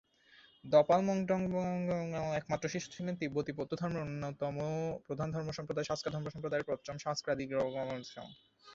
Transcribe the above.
দ্পাল-ম্ছোগ-দাং-পো'ই-র্দো-র্জের একমাত্র শিষ্য ছিলেন তিব্বতী বৌদ্ধধর্মের অন্যতম প্রধান ধর্মসম্প্রদায় সা-স্ক্যা ধর্মসম্প্রদায়ের পঞ্চম সা-স্ক্যা-খ্রি-'দ্জিন গ্রাগ্স-পা-র্গ্যাল-ম্ত্শান।